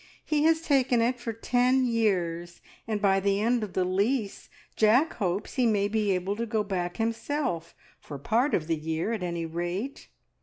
He has taken it for ten years, and by the end of the lease Jack hopes he may be able to go back himself, for part of the year, at any rate.